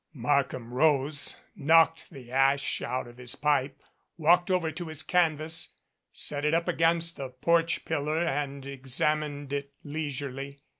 Markham rose, knocked the ash out of his pipe, walked over to his canvas, set it up against the porch pillar and examined it leisurely.